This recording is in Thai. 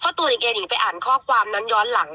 เพราะตัวเนี่ยหนิงไปอ่านข้อความนั้นย้อนหลัง